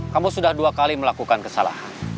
kamu sudah dua kali melakukan kesalahan